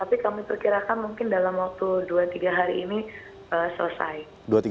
tapi kami perkirakan mungkin dalam waktu dua tiga hari ini selesai